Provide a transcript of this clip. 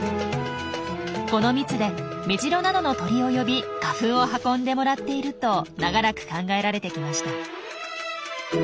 この蜜でメジロなどの鳥を呼び花粉を運んでもらっていると長らく考えられてきました。